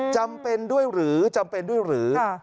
จำเป็นด้วยหรือจำเป็นด้วยหรือ